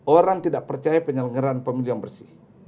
orang tidak percaya penyelenggaran pemilihan bersih